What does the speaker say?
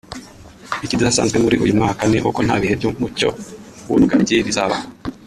Ikidasanzwe muri uyu mwaka ni uko nta bihe by’umucyo w’urugaryi bizabaho